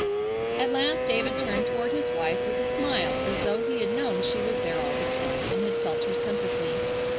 At last David turned toward his wife with a smile as though he had known she was there all the time, and had felt her sympathy.